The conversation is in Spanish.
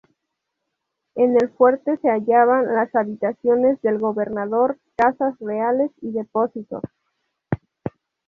En el fuerte se hallaban las habitaciones del Gobernador, Casas Reales y depósitos.